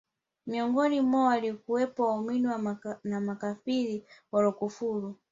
miongoni mwao walikuwepo Waumini na makafiri Waliokufuru